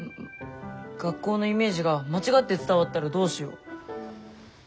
学校のイメージが間違って伝わったらどうしよう。